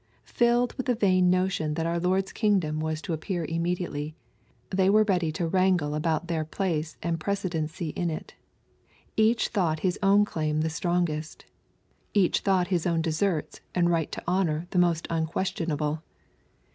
Filled with the vain notion that our Lord's kingdom was to appear immediately, they were ready to wrangle about their place and precedency in it. Each thought his own claim the strongest. Each thought his own deserts and right to honor most unquestionable.